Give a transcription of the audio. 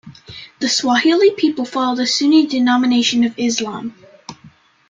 The Swahili people follow the Sunni denomination of Islam.